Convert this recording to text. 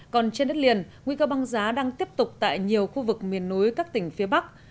còn trên đất liền nguy cơ băng giá đang tiếp tục tại nhiều khu vực miền núi các tỉnh phía bắc